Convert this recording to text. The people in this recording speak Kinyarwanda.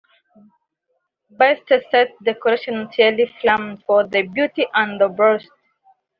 Best Set Decoration Thierry Flamand for The Beauty and the Beast